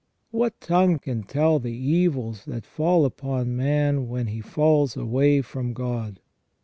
What tongue can tell the evils that fall upon man when he falls away from God